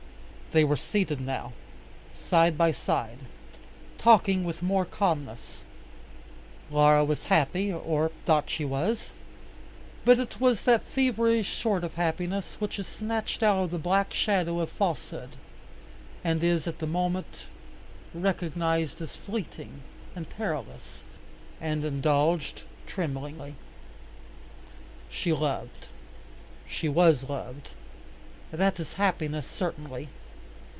They were seated now, side by side, talking with more calmness. Laura was happy, or thought she was. But it was that feverish sort of happiness which is snatched out of the black shadow of falsehood, and is at the moment recognized as fleeting and perilous, and indulged tremblingly. She loved. She was loved. That is happiness certainly.